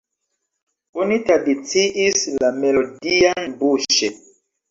Oni tradiciis la melodian buŝe.